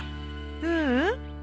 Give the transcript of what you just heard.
ううん。